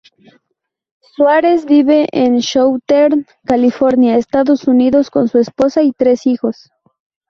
Suárez vive en Southern California, Estados Unidos con su esposa y tres hijos.